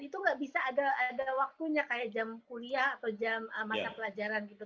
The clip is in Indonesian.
itu nggak bisa ada waktunya kayak jam kuliah atau jam mata pelajaran gitu